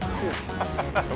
ハハハハ